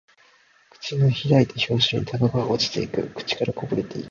口を開いた拍子にタバコが落ちていく。口元からこぼれていく。